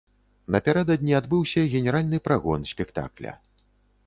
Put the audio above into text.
Напярэдадні адбыўся генеральны прагон спектакля.